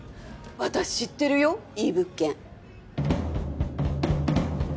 私知ってるよいい物件。